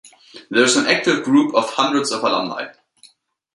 There is an active group of hundreds of alumni.